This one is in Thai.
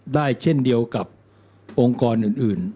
ได้เช่นเดียวกับองค์กรอิสระ